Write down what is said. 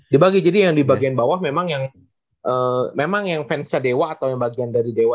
dibagi jadi yang di bagian bawah memang yang memang yang fansnya dewa atau yang bagian dari dewa